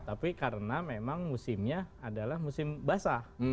tapi karena memang musimnya adalah musim basah